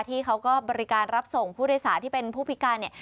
ที่เขาก็บริการรับส่งผู้โดยสารที่เป็นผู้พิการเนี่ย